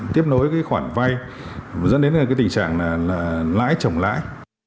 tiếp nối cái khoản vay dẫn đến cái tình trạng là lãi trồng lãi